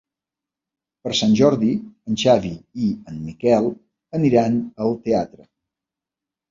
Per Sant Jordi en Xavi i en Miquel aniran al teatre.